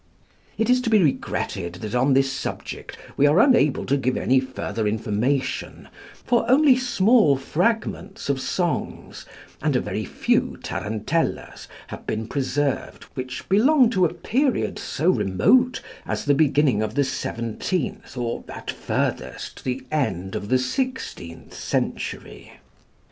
It is to be regretted that on this subject we are unable to give any further information, for only small fragments of songs, and a very few tarantellas, have been preserved which belong to a period so remote as the beginning of the seventeenth, or at furthest the end of the sixteenth century.